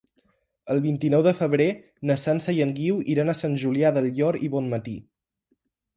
El vint-i-nou de febrer na Sança i en Guiu iran a Sant Julià del Llor i Bonmatí.